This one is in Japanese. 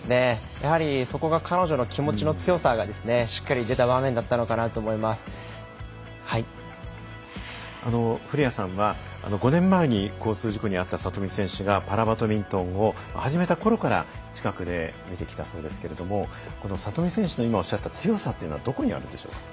やはりそこが彼女の気持ちの強さがしっかり出た場面だったのかなと古屋さんは５年前に交通事故に遭った里見選手がパラバドミントンを始めたころから近くで見てきたそうですけれどもこの里見選手の今おっしゃった強さというのはどこにあるでしょうか。